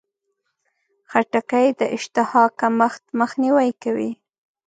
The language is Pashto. خټکی د اشتها کمښت مخنیوی کوي.